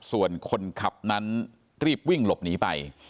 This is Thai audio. ส่วนคนขับนั้นรีบวิ่งหลบหนีไป